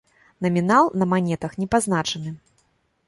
Намінал на манетах не пазначаны.